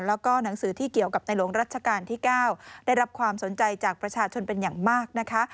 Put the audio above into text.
แล้วก็หนังสือที่เกี่ยวกับในหลวงรัชกาลที่๙ได้รับความสนใจจากประชาชนเป็นอย่างมากนะคะ